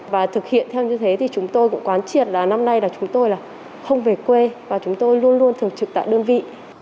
và thực hiện theo như thế thì chúng tôi cũng quán triệt là năm nay là chúng tôi là không về quê và chúng tôi luôn luôn thường trực tại đơn vị